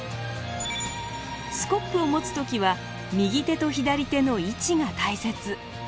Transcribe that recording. スコップを持つ時は右手と左手の位置が大切。